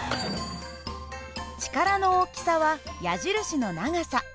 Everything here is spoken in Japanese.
力の大きさは矢印の長さ。